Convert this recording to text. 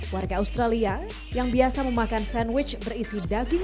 warga australia yang biasa memakan sandwich berisi daging